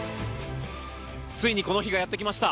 ついにこの日がやってきました。